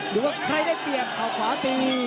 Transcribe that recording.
หรือว่าใครได้เปียกเขาขวาตี